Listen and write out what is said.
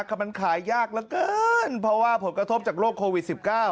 คือมันขายยากเหลือเกินเพราะว่าผลกระทบจากโรคโควิด๑๙